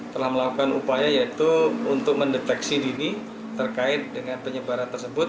telah melakukan upaya yaitu untuk mendeteksi dini terkait dengan penyebaran tersebut